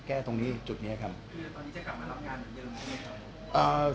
คือตอนนี้จะกลับมารับงานเหมือนเยินไหมครับ